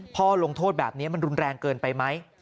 ลงโทษแบบนี้มันรุนแรงเกินไปไหม